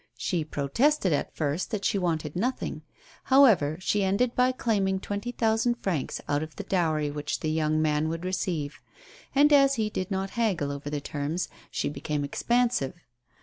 She protested at first that she wanted nothing. How ever, she ended by claiming twenty thousand francs out of the dowry which the young man would receive. And, as he did not haggle over the terms, she became expansive.